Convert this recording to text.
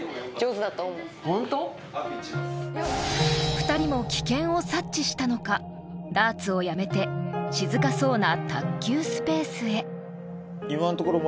［２人も危険を察知したのかダーツをやめて静かそうな］